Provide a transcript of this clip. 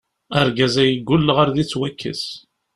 Argaz-agi ggulleɣ ar d ittwakkes.